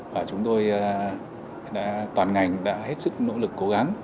và chúng tôi toàn ngành đã hết sức nỗ lực cố gắng